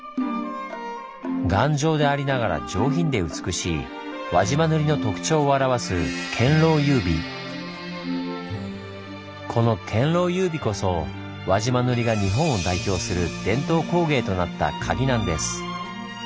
頑丈でありながら上品で美しい輪島塗の特徴を表すこの「堅牢優美」こそ輪島塗が日本を代表する伝統工芸となったカギなんです。